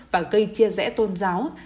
và gây chia rẽ tôn giáo